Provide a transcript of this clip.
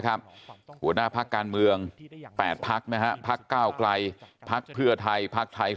หัวหน้าพักการเมือง๘พักนะฮะพักก้าวไกลพักเพื่อไทยพักไทย